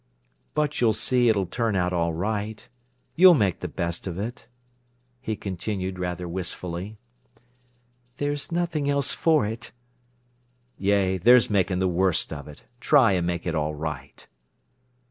"But you'll see it'll turn out all right. You'll make the best of it," he continued rather wistfully. "There's nothing else for it." "Yea, there's making the worst of it. Try and make it all right."